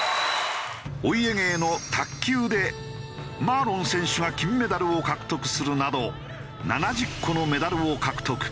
お家芸の卓球で馬龍選手が金メダルを獲得するなど７０個のメダルを獲得。